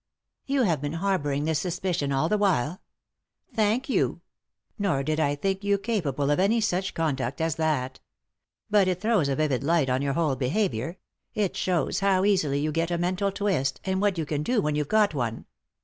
" You have been harbouring this suspicion all the while ? Thank you; nor did I think you capable of such conduct as that But it throws a vivid light on your whole behaviour ; it shows how easily you get a mental twist, and what you can do when you've got one.